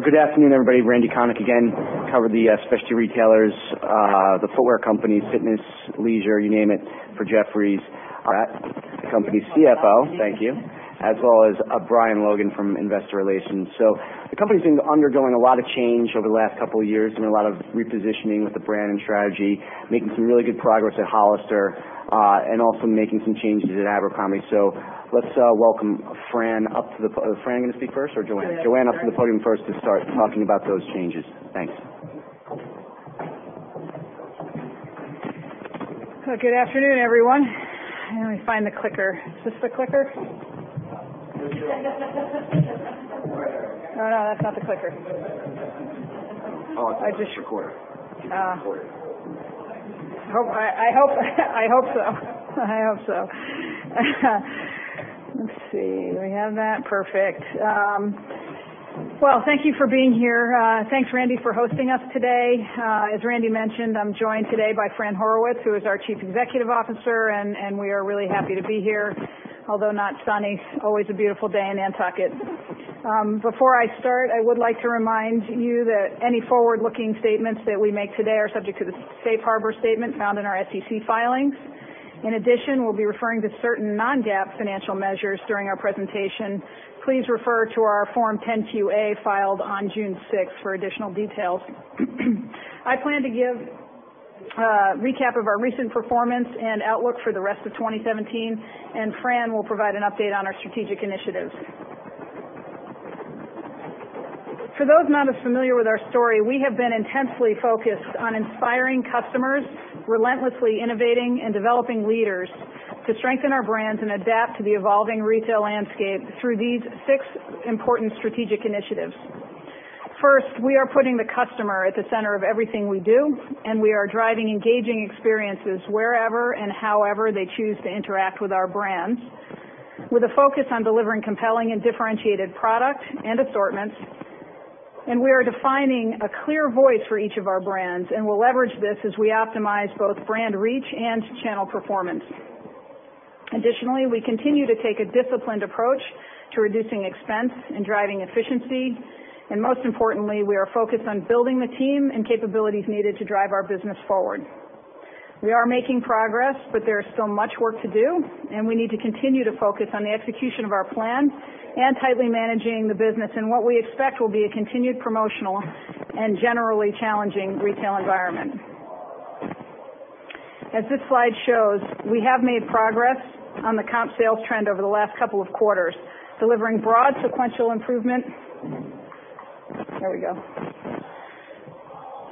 Good afternoon, everybody. Randy Konik again. Cover the specialty retailers, the footwear companies, fitness, leisure, you name it, for Jefferies. Fran, the company CFO. Thank you. As well as Brian Logan from Investor Relations. The company's been undergoing a lot of change over the last couple of years and a lot of repositioning with the brand and strategy, making some really good progress at Hollister, and also making some changes at Abercrombie. Let's welcome Fran up to the-- Is Fran going to speak first or Joanne? Joanne. Joanne up to the podium first to start talking about those changes. Thanks. Good afternoon, everyone. Let me find the clicker. Is this the clicker? Oh, no, that's not the clicker. Oh, it's just your quarter. Oh. I hope so. Let's see. Do we have that? Perfect. Well, thank you for being here. Thanks, Randy, for hosting us today. As Randy mentioned, I'm joined today by Fran Horowitz, who is our Chief Executive Officer, and we are really happy to be here. Although not sunny, always a beautiful day in Nantucket. Before I start, I would like to remind you that any forward-looking statements that we make today are subject to the safe harbor statement found in our SEC filings. In addition, we'll be referring to certain non-GAAP financial measures during our presentation. Please refer to our Form 10-Q filed on June 6th for additional details. I plan to give a recap of our recent performance and outlook for the rest of 2017, and Fran will provide an update on our strategic initiatives. For those not as familiar with our story, we have been intensely focused on inspiring customers, relentlessly innovating and developing leaders to strengthen our brands and adapt to the evolving retail landscape through these six important strategic initiatives. First, we are putting the customer at the center of everything we do. We are driving engaging experiences wherever and however they choose to interact with our brands, with a focus on delivering compelling and differentiated product and assortments. We are defining a clear voice for each of our brands, and we'll leverage this as we optimize both brand reach and channel performance. Additionally, we continue to take a disciplined approach to reducing expense and driving efficiency. Most importantly, we are focused on building the team and capabilities needed to drive our business forward. We are making progress, but there is still much work to do, and we need to continue to focus on the execution of our plan and tightly managing the business in what we expect will be a continued promotional and generally challenging retail environment. As this slide shows, we have made progress on the comp sales trend over the last couple of quarters, delivering broad sequential improvement. There we go.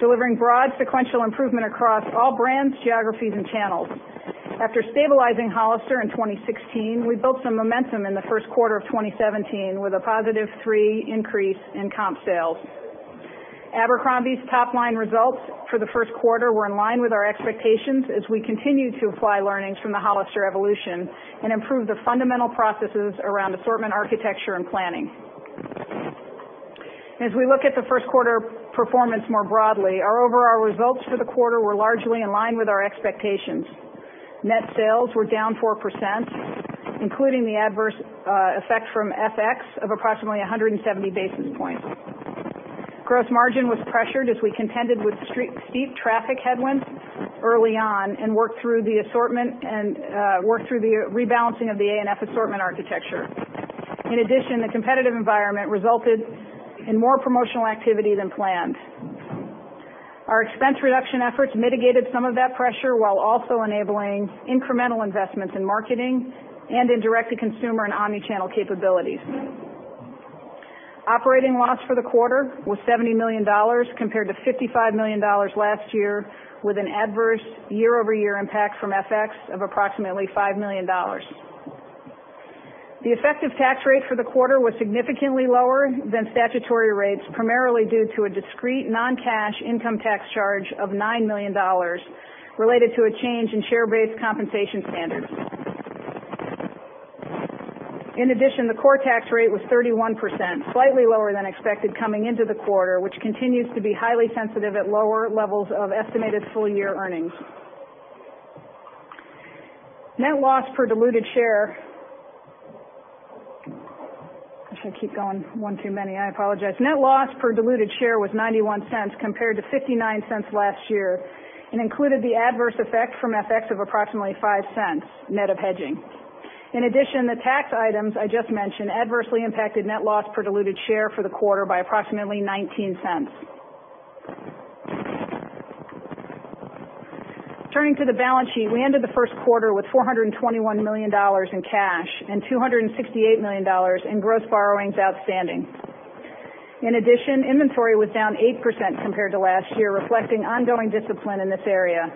Delivering broad sequential improvement across all brands, geographies, and channels. After stabilizing Hollister in 2016, we built some momentum in the first quarter of 2017 with a positive three increase in comp sales. Abercrombie's top-line results for the first quarter were in line with our expectations as we continue to apply learnings from the Hollister evolution and improve the fundamental processes around assortment architecture and planning. As we look at the first quarter performance more broadly, our overall results for the quarter were largely in line with our expectations. Net sales were down 4%, including the adverse effect from FX of approximately 170 basis points. Gross margin was pressured as we contended with steep traffic headwinds early on and worked through the rebalancing of the ANF assortment architecture. In addition, the competitive environment resulted in more promotional activity than planned. Our expense reduction efforts mitigated some of that pressure while also enabling incremental investments in marketing and in direct-to-consumer and omni-channel capabilities. Operating loss for the quarter was $70 million, compared to $55 million last year, with an adverse year-over-year impact from FX of approximately $5 million. The effective tax rate for the quarter was significantly lower than statutory rates, primarily due to a discrete non-cash income tax charge of $9 million related to a change in share-based compensation standards. The core tax rate was 31%, slightly lower than expected coming into the quarter, which continues to be highly sensitive at lower levels of estimated full-year earnings. Net loss per diluted share was $0.91 compared to $0.59 last year and included the adverse effect from FX of approximately $0.05, net of hedging. The tax items I just mentioned adversely impacted net loss per diluted share for the quarter by approximately $0.19. Turning to the balance sheet, we ended the first quarter with $421 million in cash and $268 million in gross borrowings outstanding. Inventory was down 8% compared to last year, reflecting ongoing discipline in this area.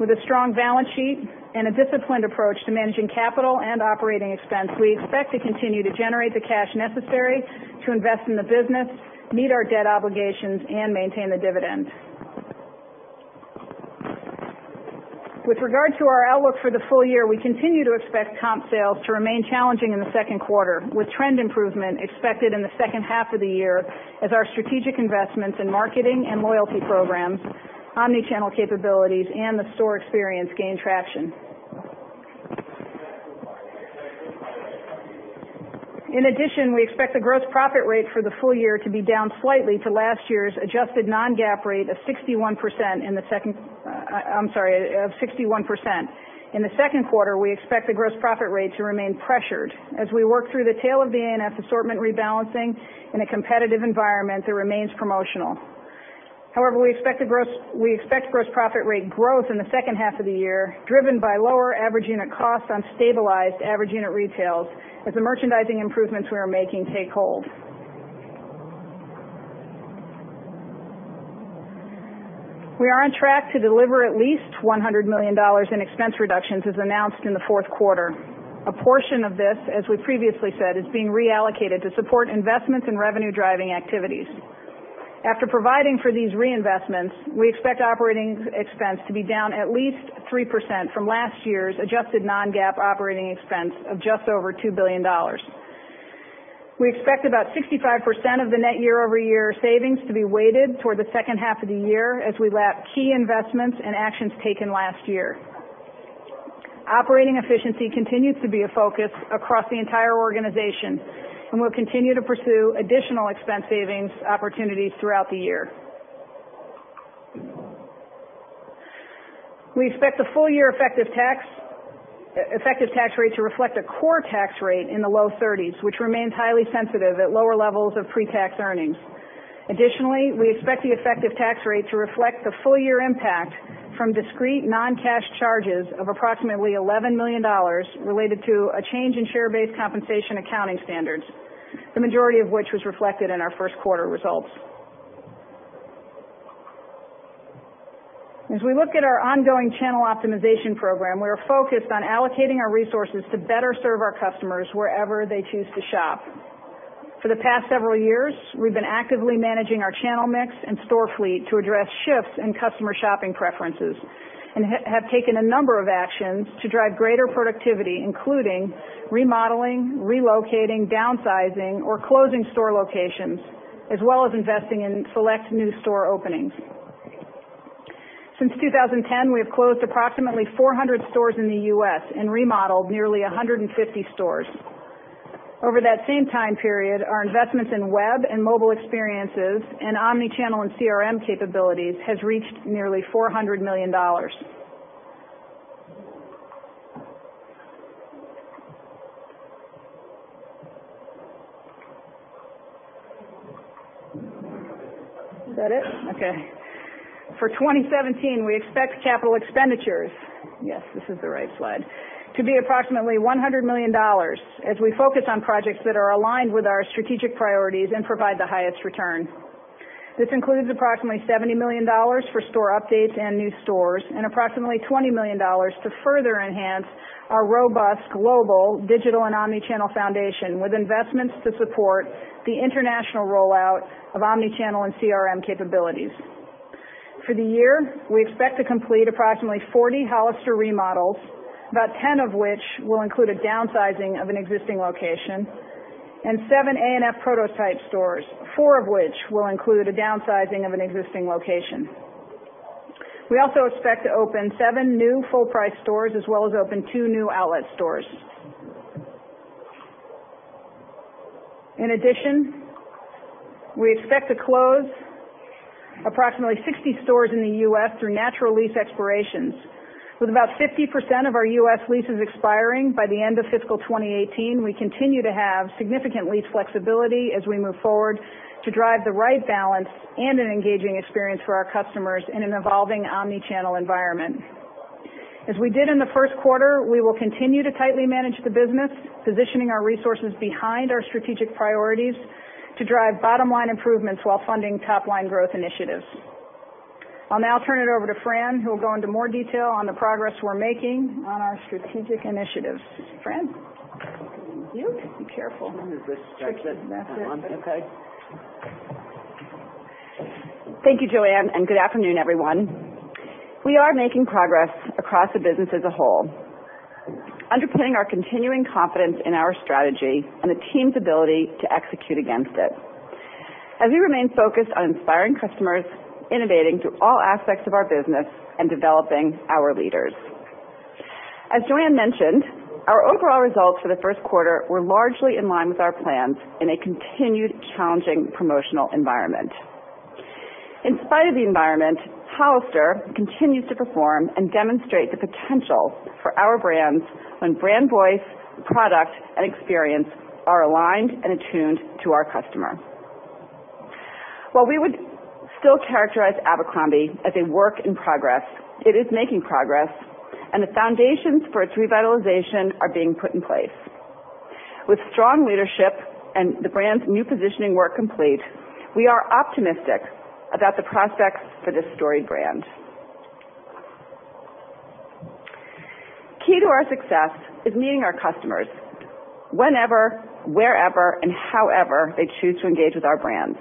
With a strong balance sheet and a disciplined approach to managing capital and operating expense, we expect to continue to generate the cash necessary to invest in the business, meet our debt obligations, and maintain the dividend. With regard to our outlook for the full year, we continue to expect comp sales to remain challenging in the second quarter, with trend improvement expected in the second half of the year as our strategic investments in marketing and loyalty programs, omni-channel capabilities, and the store experience gain traction. We expect the gross profit rate for the full year to be down slightly to last year's adjusted non-GAAP rate of 61%. In the second quarter, we expect the gross profit rate to remain pressured as we work through the tail of the A&F assortment rebalancing in a competitive environment that remains promotional. However, we expect gross profit rate growth in the second half of the year driven by lower average unit costs on stabilized average unit retails as the merchandising improvements we are making take hold. We are on track to deliver at least $100 million in expense reductions as announced in the fourth quarter. A portion of this, as we previously said, is being reallocated to support investments in revenue-driving activities. After providing for these reinvestments, we expect operating expense to be down at least 3% from last year's adjusted non-GAAP operating expense of just over $2 billion. We expect about 65% of the net year-over-year savings to be weighted toward the second half of the year as we lap key investments and actions taken last year. Operating efficiency continues to be a focus across the entire organization, and we'll continue to pursue additional expense savings opportunities throughout the year. We expect the full year effective tax rate to reflect a core tax rate in the low 30s, which remains highly sensitive at lower levels of pre-tax earnings. We expect the effective tax rate to reflect the full-year impact from discrete non-cash charges of approximately $11 million related to a change in share-based compensation accounting standards, the majority of which was reflected in our first quarter results. As we look at our ongoing channel optimization program, we are focused on allocating our resources to better serve our customers wherever they choose to shop. For the past several years, we've been actively managing our channel mix and store fleet to address shifts in customer shopping preferences and have taken a number of actions to drive greater productivity, including remodeling, relocating, downsizing, or closing store locations, as well as investing in select new store openings. Since 2010, we have closed approximately 400 stores in the U.S. and remodeled nearly 150 stores. Over that same time period, our investments in web and mobile experiences and omnichannel and CRM capabilities has reached nearly $400 million. Is that it? Okay. For 2017, we expect capital expenditures, yes, this is the right slide, to be approximately $100 million as we focus on projects that are aligned with our strategic priorities and provide the highest return. This includes approximately $70 million for store updates and new stores and approximately $20 million to further enhance our robust global digital and omnichannel foundation with investments to support the international rollout of omnichannel and CRM capabilities. For the year, we expect to complete approximately 40 Hollister remodels, about 10 of which will include a downsizing of an existing location, and seven A&F prototype stores, four of which will include a downsizing of an existing location. We also expect to open seven new full-price stores, as well as open two new outlet stores. In addition, we expect to close approximately 60 stores in the U.S. through natural lease expirations. With about 50% of our U.S. leases expiring by the end of fiscal 2018, we continue to have significant lease flexibility as we move forward to drive the right balance and an engaging experience for our customers in an evolving omnichannel environment. As we did in the first quarter, we will continue to tightly manage the business, positioning our resources behind our strategic priorities to drive bottom-line improvements while funding top-line growth initiatives. I'll now turn it over to Fran, who will go into more detail on the progress we're making on our strategic initiatives. Fran. Thank you. Be careful. That's it. Okay. Thank you, Joanne. Good afternoon, everyone. We are making progress across the business as a whole, underpinning our continuing confidence in our strategy and the team's ability to execute against it as we remain focused on inspiring customers, innovating through all aspects of our business, and developing our leaders. As Joanne mentioned, our overall results for the first quarter were largely in line with our plans in a continued challenging promotional environment. In spite of the environment, Hollister continues to perform and demonstrate the potential for our brands when brand voice, product, and experience are aligned and attuned to our customer. While we would still characterize Abercrombie as a work in progress, it is making progress, the foundations for its revitalization are being put in place. With strong leadership and the brand's new positioning work complete, we are optimistic about the prospects for this storied brand. Key to our success is meeting our customers whenever, wherever, and however they choose to engage with our brands.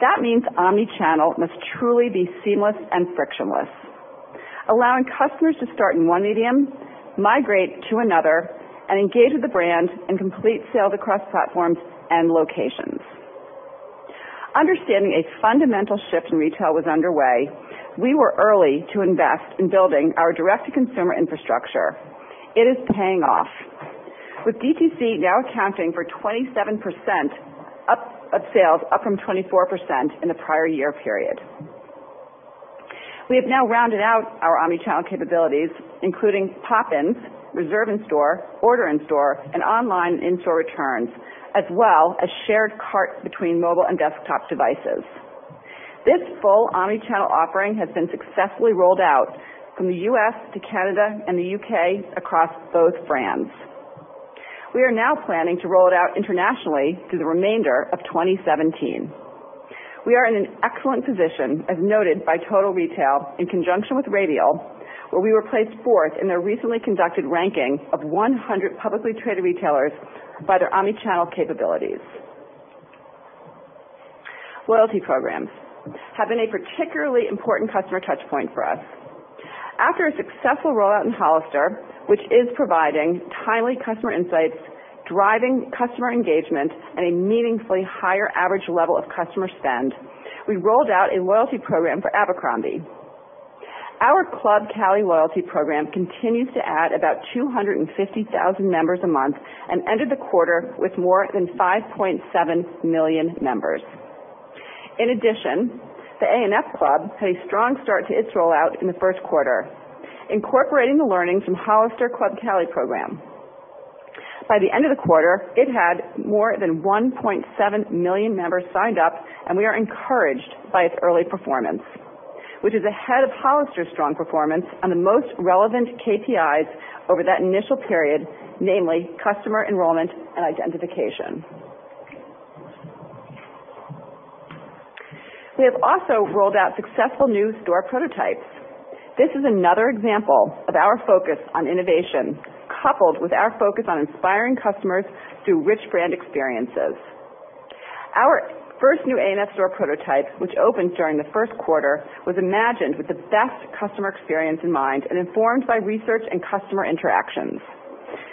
That means omnichannel must truly be seamless and frictionless, allowing customers to start in one medium, migrate to another, and engage with the brand in complete sale across platforms and locations. Understanding a fundamental shift in retail was underway, we were early to invest in building our direct-to-consumer infrastructure. It is paying off, with DTC now accounting for 27% of sales, up from 24% in the prior year period. We have now rounded out our omnichannel capabilities, including pop-ins, reserve in store, order in store, and online in-store returns, as well as shared cart between mobile and desktop devices. This full omnichannel offering has been successfully rolled out from the U.S. to Canada and the U.K. across both brands. We are now planning to roll it out internationally through the remainder of 2017. We are in an excellent position, as noted by Total Retail in conjunction with Radial, where we were placed fourth in their recently conducted ranking of 100 publicly traded retailers by their omnichannel capabilities. Loyalty programs have been a particularly important customer touchpoint for us. After a successful rollout in Hollister, which is providing timely customer insights, driving customer engagement, and a meaningfully higher average level of customer spend, we rolled out a loyalty program for Abercrombie. Our Club Cali loyalty program continues to add about 250,000 members a month and ended the quarter with more than 5.7 million members. In addition, the A&F Club had a strong start to its rollout in the first quarter, incorporating the learnings from Hollister Club Cali program. By the end of the quarter, it had more than 1.7 million members signed up, we are encouraged by its early performance, which is ahead of Hollister's strong performance on the most relevant KPIs over that initial period, namely customer enrollment and identification. We have also rolled out successful new store prototypes. This is another example of our focus on innovation, coupled with our focus on inspiring customers through rich brand experiences. Our first new A&F store prototype, which opened during the first quarter, was imagined with the best customer experience in mind and informed by research and customer interactions.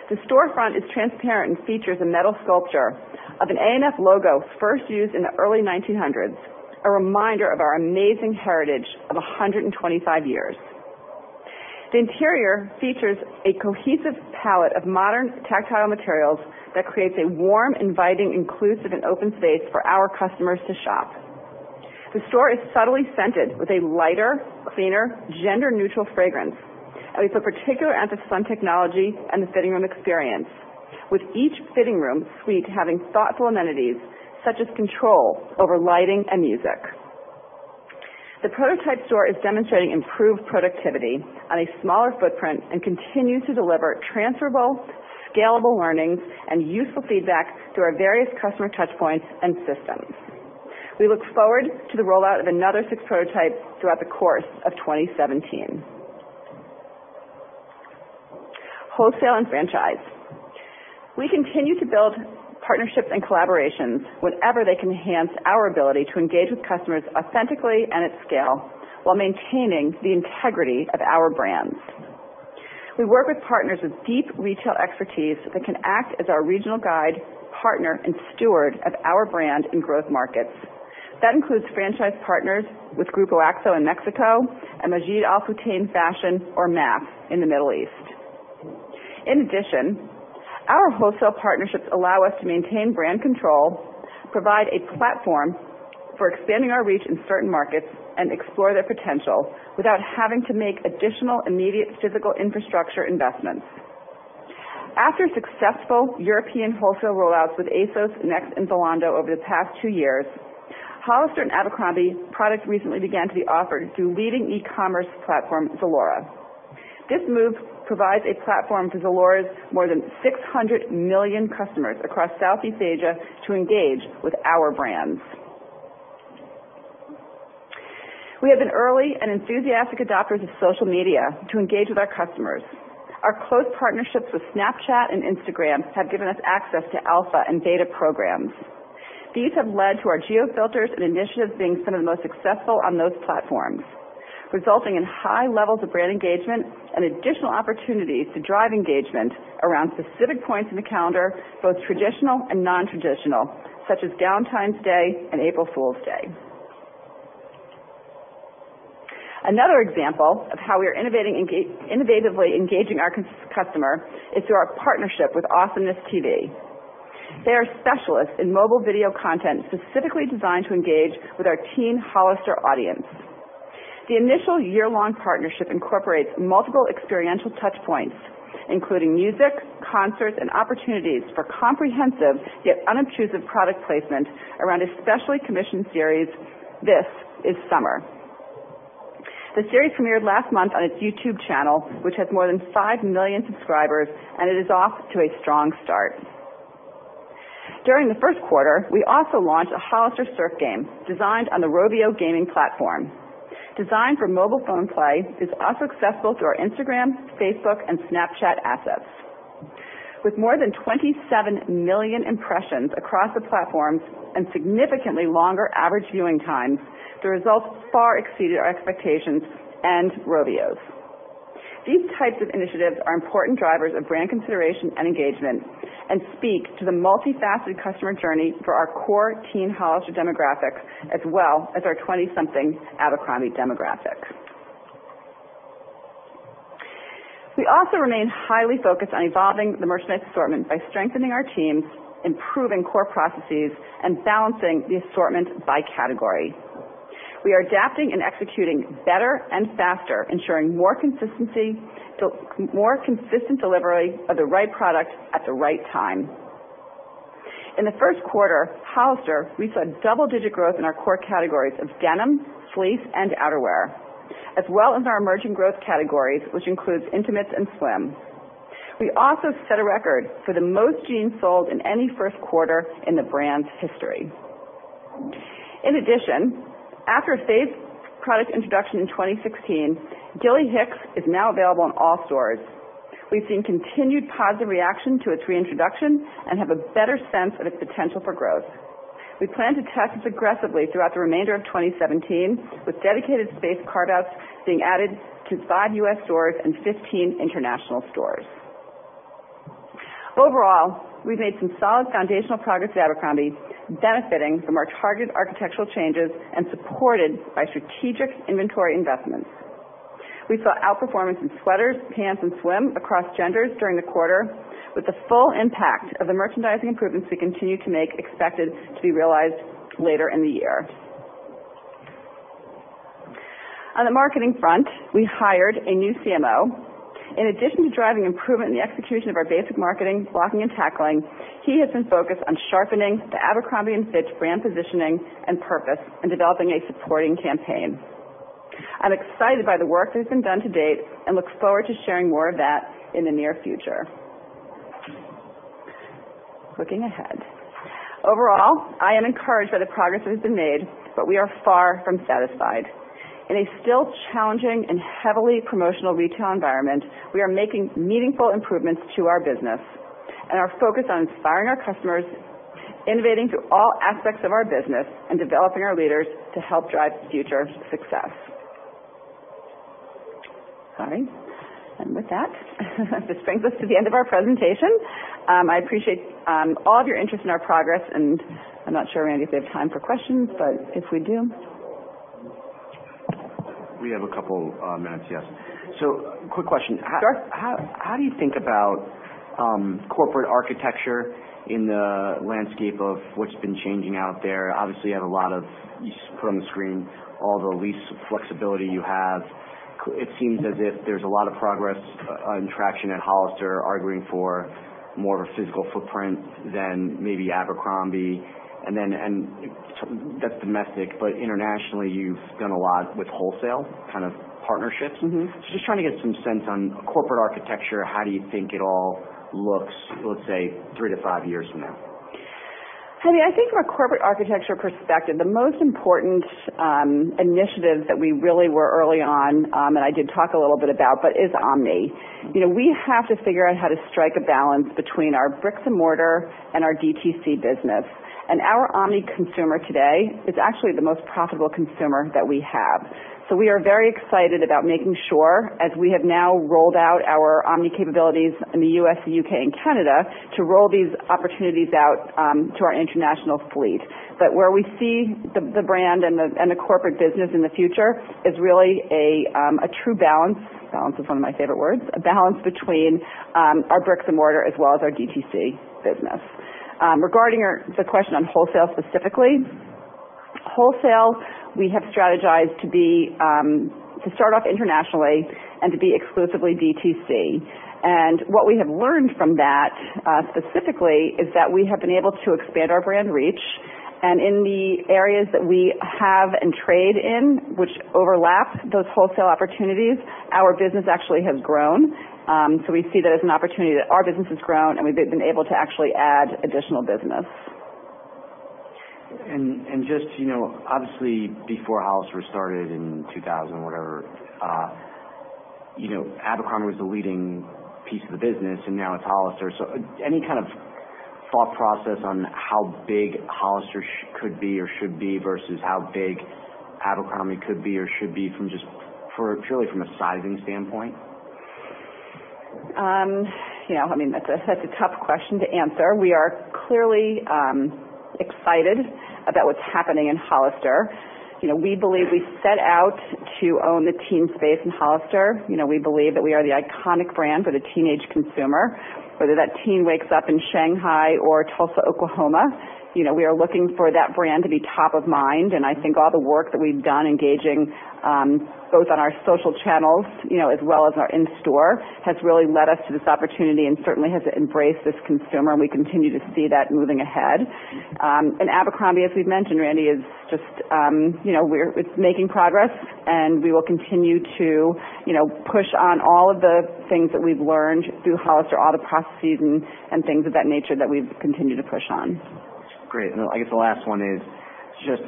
The storefront is transparent and features a metal sculpture of an A&F logo first used in the early 1900s, a reminder of our amazing heritage of 125 years. The interior features a cohesive palette of modern tactile materials that creates a warm, inviting, inclusive, and open space for our customers to shop. The store is subtly scented with a lighter, cleaner, gender-neutral fragrance, we put particular emphasis on technology and the fitting room experience, with each fitting room suite having thoughtful amenities such as control over lighting and music. The prototype store is demonstrating improved productivity on a smaller footprint and continues to deliver transferable, scalable learnings and useful feedback through our various customer touchpoints and systems. We look forward to the rollout of another six prototypes throughout the course of 2017. Wholesale and franchise. We continue to build partnerships and collaborations whenever they can enhance our ability to engage with customers authentically and at scale while maintaining the integrity of our brands. We work with partners with deep retail expertise that can act as our regional guide, partner, and steward of our brand in growth markets. That includes franchise partners with Grupo Axo in Mexico and Majid Al Futtaim Fashion, or MAF, in the Middle East. In addition, our wholesale partnerships allow us to maintain brand control, provide a platform for expanding our reach in certain markets, and explore their potential without having to make additional immediate physical infrastructure investments. After successful European wholesale rollouts with ASOS, NEXT, and Zalando over the past two years, Hollister and Abercrombie products recently began to be offered through leading e-commerce platform Zalora. This move provides a platform to Zalora's more than 600 million customers across Southeast Asia to engage with our brands. We have been early and enthusiastic adopters of social media to engage with our customers. Our close partnerships with Snapchat and Instagram have given us access to alpha and beta programs. These have led to our geo filters and initiatives being some of the most successful on those platforms, resulting in high levels of brand engagement and additional opportunities to drive engagement around specific points in the calendar, both traditional and non-traditional, such as Down Time Day and April Fool's Day. Another example of how we are innovatively engaging our customer is through our partnership with AwesomenessTV. They are specialists in mobile video content specifically designed to engage with our teen Hollister audience. The initial year-long partnership incorporates multiple experiential touchpoints, including music, concerts, and opportunities for comprehensive yet unobtrusive product placement around a specially commissioned series, "This Is Summer." The series premiered last month on its YouTube channel, which has more than five million subscribers, it is off to a strong start. During the first quarter, we also launched a Hollister surf game designed on the Rovio gaming platform. Designed for mobile phone play, it is also accessible through our Instagram, Facebook, and Snapchat assets. With more than 27 million impressions across the platforms and significantly longer average viewing times, the results far exceeded our expectations and Rovio's. These types of initiatives are important drivers of brand consideration and engagement and speak to the multifaceted customer journey for our core teen Hollister demographics, as well as our 20-something Abercrombie demographic. We also remain highly focused on evolving the merchandise assortment by strengthening our teams, improving core processes, and balancing the assortment by category. We are adapting and executing better and faster, ensuring more consistent delivery of the right product at the right time. In the first quarter, Hollister reached a double-digit growth in our core categories of denim, fleece, and outerwear, as well as our emerging growth categories, which includes intimates and swim. We also set a record for the most jeans sold in any first quarter in the brand's history. In addition, after a phased product introduction in 2016, Gilly Hicks is now available in all stores. We've seen continued positive reaction to its reintroduction and have a better sense of its potential for growth. We plan to test this aggressively throughout the remainder of 2017, with dedicated space carve-outs being added to five U.S. stores and 15 international stores. Overall, we've made some solid foundational progress at Abercrombie, benefiting from our targeted architectural changes and supported by strategic inventory investments. We saw outperformance in sweaters, pants, and swim across genders during the quarter, with the full impact of the merchandising improvements we continue to make expected to be realized later in the year. On the marketing front, we hired a new CMO. In addition to driving improvement in the execution of our basic marketing, blocking and tackling, he has been focused on sharpening the Abercrombie & Fitch brand positioning and purpose and developing a supporting campaign. I'm excited by the work that has been done to date and look forward to sharing more of that in the near future. Looking ahead. Overall, I am encouraged by the progress that has been made, but we are far from satisfied. In a still challenging and heavily promotional retail environment, we are making meaningful improvements to our business and are focused on inspiring our customers, innovating through all aspects of our business, and developing our leaders to help drive future success. Sorry. With that, this brings us to the end of our presentation. I appreciate all of your interest in our progress, and I'm not sure, Randy, if we have time for questions, but if we do. We have a couple minutes, yes. Quick question. Sure. How do you think about corporate architecture in the landscape of what's been changing out there? Obviously, you have a lot of, you put on the screen all the lease flexibility you have. It seems as if there's a lot of progress and traction at Hollister arguing for more of a physical footprint than maybe Abercrombie. That's domestic, but internationally, you've done a lot with wholesale kind of partnerships. Just trying to get some sense on corporate architecture. How do you think it all looks, let's say, 3-5 years from now? I think from a corporate architecture perspective, the most important initiative that we really were early on, and I did talk a little bit about, but is omni. We have to figure out how to strike a balance between our bricks-and-mortar and our DTC business. Our omni consumer today is actually the most profitable consumer that we have. We are very excited about making sure, as we have now rolled out our omni capabilities in the U.S., the U.K., and Canada, to roll these opportunities out to our international fleet. Where we see the brand and the corporate business in the future is really a true balance. Balance is one of my favorite words. A balance between our bricks-and-mortar as well as our DTC business. Regarding the question on wholesale specifically. Wholesale, we have strategized to start off internationally and to be exclusively DTC. What we have learned from that, specifically, is that we have been able to expand our brand reach. In the areas that we have and trade in, which overlap those wholesale opportunities, our business actually has grown. We see that as an opportunity that our business has grown, and we've been able to actually add additional business. Obviously, before Hollister was started in 2000 whatever, Abercrombie was the leading piece of the business, and now it's Hollister. Any kind of thought process on how big Hollister could be or should be versus how big Abercrombie could be or should be from just purely from a sizing standpoint? That's a tough question to answer. We are clearly excited about what's happening in Hollister. We set out to own the teen space in Hollister. We believe that we are the iconic brand for the teenage consumer, whether that teen wakes up in Shanghai or Tulsa, Oklahoma. We are looking for that brand to be top of mind, I think all the work that we've done engaging both on our social channels as well as our in-store has really led us to this opportunity and certainly has embraced this consumer, we continue to see that moving ahead. Abercrombie, as we've mentioned, Randy, it's making progress, we will continue to push on all of the things that we've learned through Hollister, all the processes and things of that nature that we've continued to push on. Great. I guess the last one is just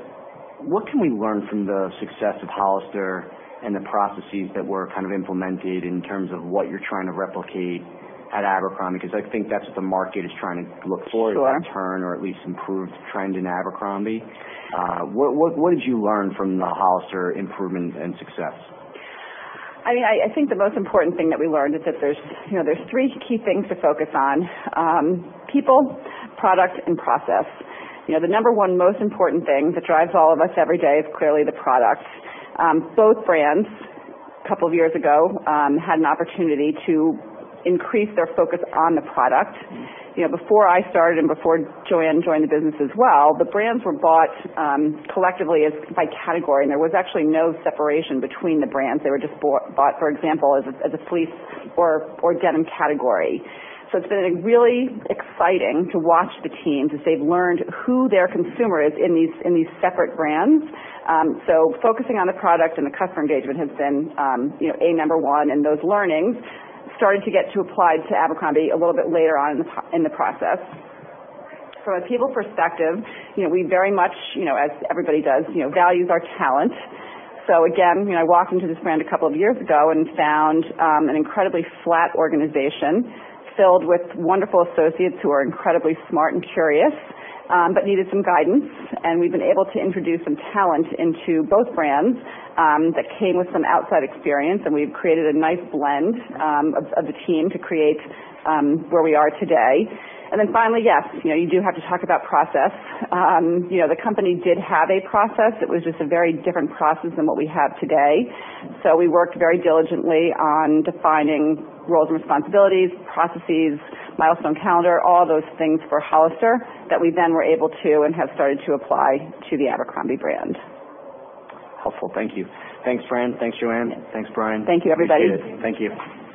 what can we learn from the success of Hollister and the processes that were kind of implemented in terms of what you're trying to replicate at Abercrombie? I think that's what the market is trying to look for. Sure is a turn or at least improved trend in Abercrombie. What did you learn from the Hollister improvement and success? I think the most important thing that we learned is that there's three key things to focus on: people, product, and process. The number one most important thing that drives all of us every day is clearly the product. Both brands, a couple of years ago, had an opportunity to increase their focus on the product. Before I started and before Joanne joined the business as well, the brands were bought collectively by category, and there was actually no separation between the brands. They were just bought, for example, as a fleece or denim category. It's been really exciting to watch the teams as they've learned who their consumer is in these separate brands. Focusing on the product and the customer engagement has been A, number one, and those learnings started to get to apply to Abercrombie a little bit later on in the process. From a people perspective, we very much, as everybody does, values our talent. Again, I walked into this brand a couple of years ago and found an incredibly flat organization filled with wonderful associates who are incredibly smart and curious but needed some guidance. We've been able to introduce some talent into both brands that came with some outside experience, and we've created a nice blend of the team to create where we are today. Finally, yes, you do have to talk about process. The company did have a process. It was just a very different process than what we have today. We worked very diligently on defining roles and responsibilities, processes, milestone calendar, all those things for Hollister that we then were able to and have started to apply to the Abercrombie brand. Helpful. Thank you. Thanks, Fran. Thanks, Joanne. Thanks, Brian. Thank you, everybody. Appreciate it. Thank you.